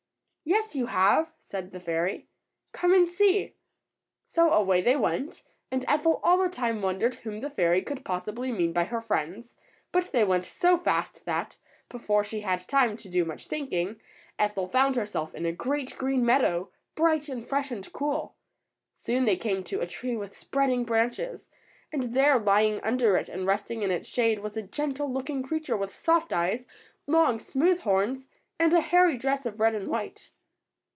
'^Yes, you have," said the fairy, ^^come and see." So away they went, and Ethel all the time wondered whom the fairy could possibly mean by her friends; but they went so fast that, before she had time to do much thinking, Ethel found herself in a great, green meadow, bright and fresh and cool. Soon they came to a tree with spreading branches, and there, lying under it and resting in its shade, was a gentle looking creature with soft eyes, long, smooth horns, and a hairy dress of red and white.